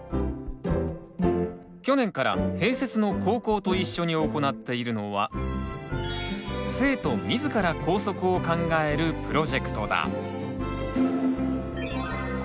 去年から併設の高校と一緒に行っているのは生徒自ら校則を考えるプロジェクトだ。